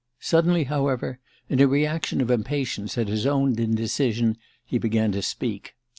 Suddenly, however, in a reaction of impatience at his own indecision, he began to speak.